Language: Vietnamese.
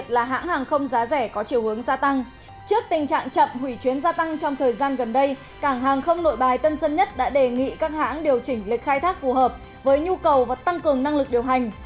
trước hãng chậm hủy chuyến gia tăng trong thời gian gần đây cảng hàng không nội bài tân sơn nhất đã đề nghị các hãng điều chỉnh lịch khai thác phù hợp với nhu cầu và tăng cường năng lực điều hành